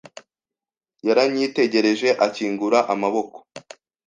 Yaranyitegereje akingura amaboko